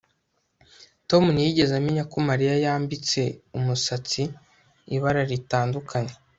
Tom ntiyigeze amenya ko Mariya yambitse umusatsi ibara ritandukanye